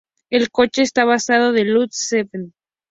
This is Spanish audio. El coche está basado en el Lotus Seven.